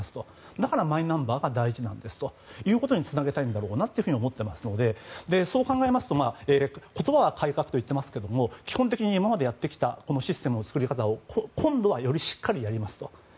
だからマイナンバーが大事なんですということにつなげたいんだろうなと思っていますのでそう考えますと言葉は改革と言ってますけども基本的に今までやってきたシステムの作り方を今度はよりしっかりやりますと。